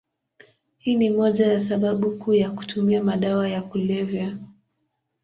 Hii ni moja ya sababu kuu ya kutumia madawa ya kulevya.